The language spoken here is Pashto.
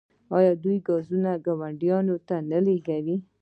آیا دوی ګاز ګاونډیو ته نه لیږي؟